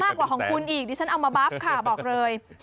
กว่าของคุณอีกดิฉันเอามาบัฟค่ะบอกเลย